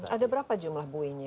ada berapa jumlah bue nya